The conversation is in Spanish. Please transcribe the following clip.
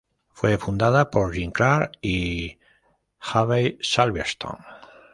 Fue fundada por Jim Clark y Abbey Silverstone.